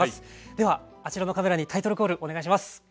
ではあちらのカメラにタイトルコールお願いします。